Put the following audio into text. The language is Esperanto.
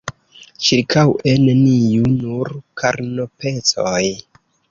Ĉirkaŭe neniu: nur karnopecoj.